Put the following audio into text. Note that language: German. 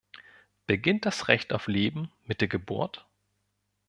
Beginnt das Recht auf Leben mit der Geburt?